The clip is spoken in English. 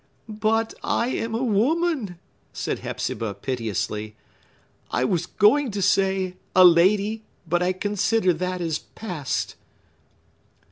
"But I am a woman!" said Hepzibah piteously. "I was going to say, a lady,—but I consider that as past."